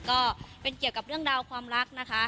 ก็เป็นเกี่ยวกับเรื่องราวความรักนะคะ